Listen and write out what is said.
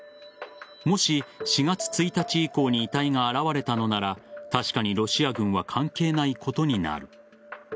もし、４月１日以降に遺体が現れたのなら確かにロシア軍は関係ないことになる。